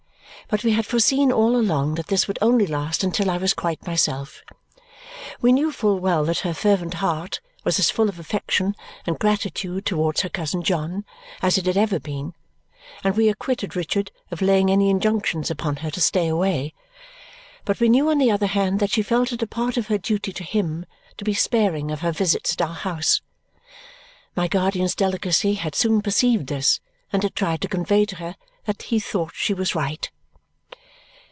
But we had foreseen, all along, that this would only last until I was quite myself. We knew full well that her fervent heart was as full of affection and gratitude towards her cousin John as it had ever been, and we acquitted Richard of laying any injunctions upon her to stay away; but we knew on the other hand that she felt it a part of her duty to him to be sparing of her visits at our house. My guardian's delicacy had soon perceived this and had tried to convey to her that he thought she was right.